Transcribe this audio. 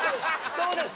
そうです